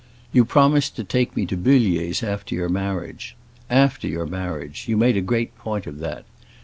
"You promised to take me to Bullier's after your marriage. After your marriage—you made a great point of that.